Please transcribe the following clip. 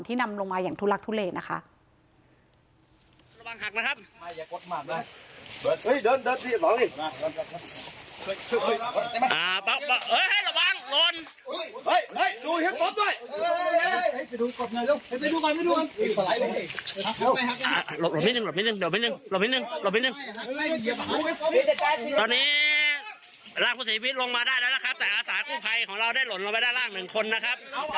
นำลงมาอย่างทุลักทุเลนะคะ